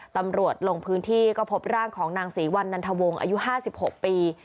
ตำรวจลงพื้นที่ก็พบร่างของนางศรีวันนันทวงศ์อายุ๕๖ปี